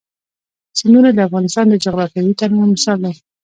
سیندونه د افغانستان د جغرافیوي تنوع مثال دی.